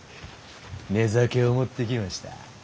寝酒を持ってきました。